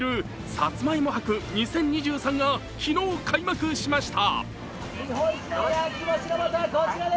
さつまいも博２０２３が昨日開幕しました。